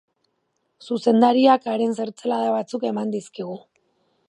Zuzendariak haren zertzelada batzuk eman dizkigu.